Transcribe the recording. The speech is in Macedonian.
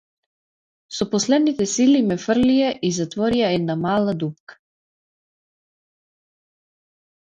Со последните сили ме фрлија и затворија во една мала дупка.